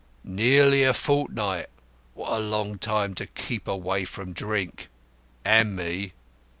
Nearly a fortnight. What a long time to keep away from Drink and Me."